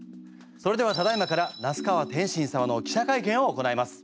それではただいまから那須川天心様の記者会見を行います。